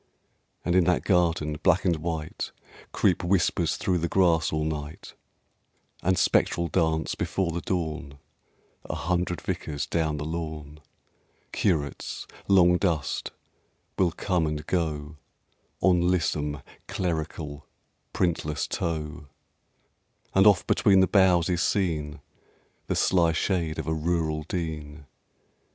And in that garden, black and white, Creep whispers through the grass all night; And spectral dance, before the dawn, A hundred Vicars down the lawn; Curates, long dust, will come and go On lissom, clerical, printless toe; And oft between the boughs is seen The sly shade of a Rural Dean...